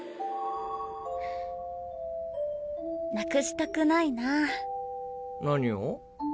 現在失くしたくないな。何を？